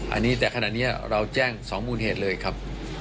อันนี้แต่ขณะนี้เราแจ้ง๒มูลเหตุเลยครับ